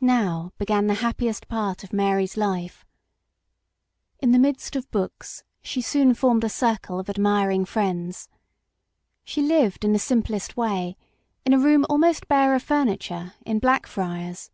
Now began the happiest part of Mary's life. In the midst of books she soon formed a circle of admiring friends. She lived in the simplest way, in a room almost bare of furniture, in Blackfriars.